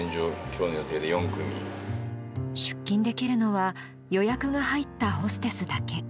出勤できるのは予約が入ったホステスだけ。